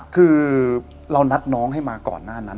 คือเรานัดน้องให้มาก่อนหน้านั้น